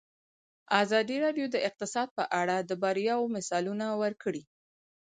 ازادي راډیو د اقتصاد په اړه د بریاوو مثالونه ورکړي.